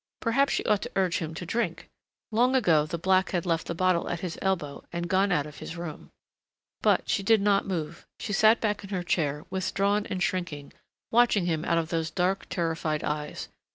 Perhaps she ought to urge him to drink. Long ago the black had left the bottle at his elbow and gone out of his room. But she did not move. She sat back in her chair, withdrawn and shrinking, watching him out of those dark, terrified eyes.